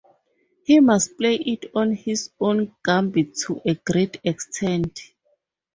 He must play it on his own gambit to a great extent.